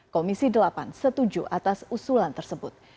komisi delapan setuju atas usulan tersebut